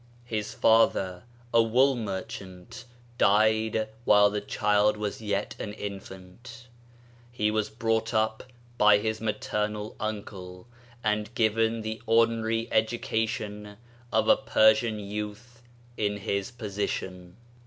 His Father a wool merchant died while the child was yet an infant ; he was brought up by his maternal uncle, and given the ordinary edu cation of a Persian youth in his position.